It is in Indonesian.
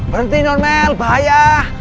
berhenti nonmel bahaya